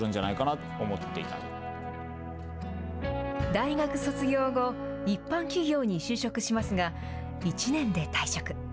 大学卒業後、一般企業に就職しますが、１年で退職。